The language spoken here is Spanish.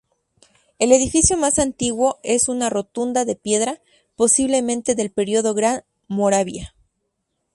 El edificio más antiguo es una rotunda de piedra, posiblemente del periodo Gran Moravia.